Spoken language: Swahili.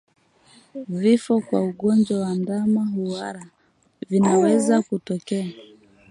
Vifo kwa ugonjwa wa ndama kuhara vinaweza kutokea